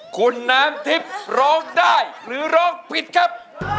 คุณน้ำทิพย์ร้องได้หรือร้องผิดครับ